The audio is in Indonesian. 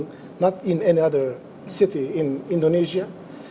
bukan di kota kota lain di indonesia